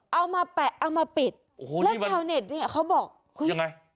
เอามาแปะเอามาปิดโอ้โหแล้วชาวเน็ตเนี่ยเขาบอกเฮ้ยยังไง